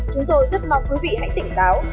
chúng tôi rất mong quý vị hãy tỉnh táo